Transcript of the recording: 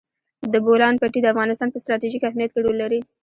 د بولان پټي د افغانستان په ستراتیژیک اهمیت کې رول لري.